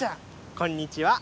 こんにちは。